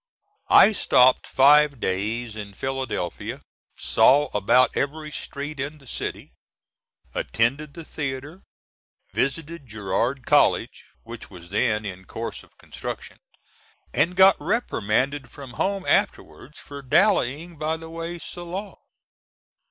I stopped five days in Philadelphia, saw about every street in the city, attended the theatre, visited Girard College (which was then in course of construction), and got reprimanded from home afterwards, for dallying by the way so long.